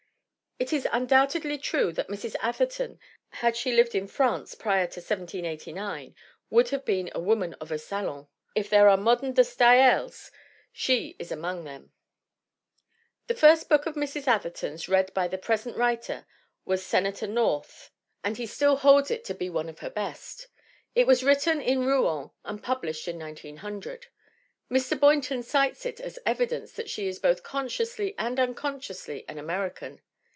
It is undoubtedly true that Mrs. Atherton, had she lived in France prior to 1789, would have been a woman of a salon. If there are modern de Staels she is among them ! The first book of Mrs. Atherton's read by the pres ent writer was Senator North, and he still holds it to be one of her best. It was written in Rouen and pub lished in 1900. Mr. Boynton cites it as evidence that she is "both consciously and unconsciously an Ameri can."